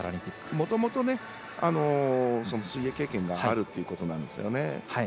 もともと水泳経験があるっていうことなんですよね。